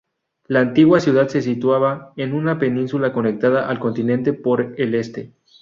La antigua ciudad se situaba en una península conectada al continente por el este.